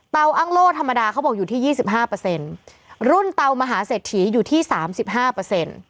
เตาอ้างโล่ธรรมดาเขาบอกอยู่ที่๒๕เปอร์เซ็นต์รุ่นเตามหาเสร็จถีอยู่ที่๓๕เปอร์เซ็นต์